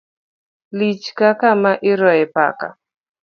Lich ka kama iroye paka